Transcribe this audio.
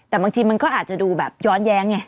แต่บางทีมันก็อาจจะดูแบบย้อนแย้งไง